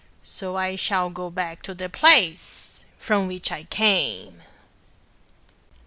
So I shall go back to the place from which I came."